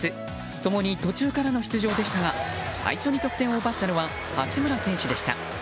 共に途中からの出場でしたが最初に得点を奪ったのは八村選手でした。